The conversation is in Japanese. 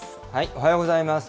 おはようございます。